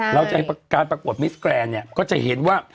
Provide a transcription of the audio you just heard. แล้วการปรากฏมิสแกนเนี่ยก็จะเห็นว่า